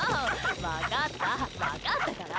分かった、分かったから！